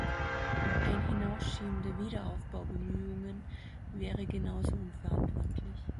Ein Hinausschieben der Wiederaufbaubemühungen wäre genauso unverantwortlich.